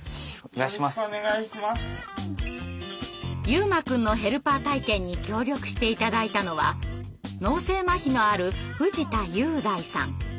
悠真くんのヘルパー体験に協力して頂いたのは脳性まひのある藤田裕大さん。